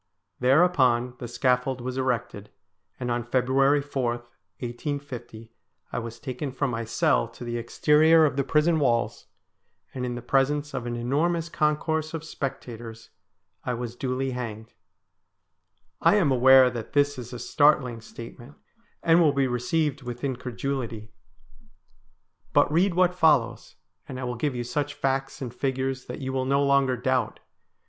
Thereupon the scaffold was erected, and on February 4, 1850, I was taken from my cell to the exterior of the prison walls, and in the presence of an enormous concourse of spectators I was duly hanged. I am aware that this is a startling statement, and will be received with incredulity ; but 272 STORIES WEIRD AND WONDERIUL read what follows, and I will give you such facts and figures that you will no longer doubt.